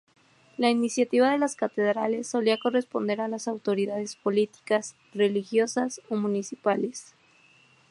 La iniciativa de las catedrales solía corresponder a las autoridades políticas, religiosas o municipales.